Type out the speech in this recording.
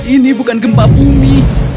ini bukan gempa bumi